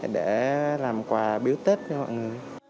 để làm quà biếu tết cho mọi người